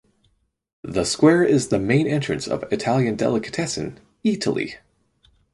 The square is the main entrance of Italian delicatessen Eataly.